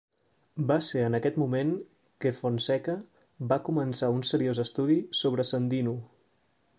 Va ser en aquest moment que Fonseca "va començar un seriós estudi sobre Sandino".